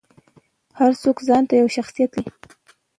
هر څوک ځانته یو شخصیت لري.